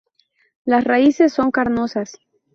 Las raíces son carnosas.